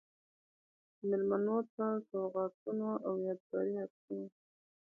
میلمنو ته سوغاتونه او یادګاري عکسونه و.